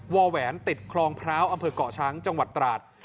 แหวนติดคลองพร้าวอำเภอกเกาะช้างจังหวัดตราด